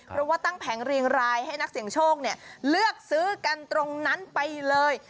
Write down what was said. เพราะว่าตั้งแผงเรียงรายให้นักเสี่ยงโชคเลือกซื้อกันตรงนั้นไปเลย